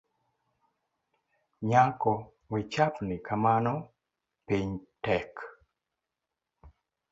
Nyako wechapni kamano piny tek.